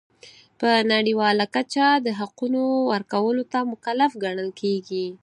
په نړیواله کچه د حقونو ورکولو ته مکلف ګڼل کیږي.